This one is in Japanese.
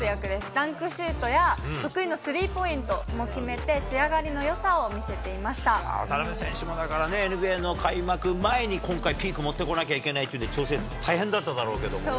ダンクシュートや得意のスリーポイントも決めて、渡邊選手もだからね、ＮＢＡの開幕前に今回、ピークもってこなきゃいけないっていうんで、調整大変だっただろうけどね。